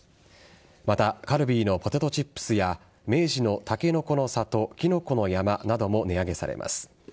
また、カルビーのポテトチップスや明治のたけのこの里、きのこの山なども値上げされます。